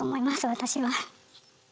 私は。